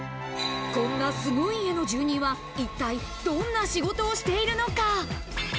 こんなすごい家の住人は、一体どんな仕事をしているのか？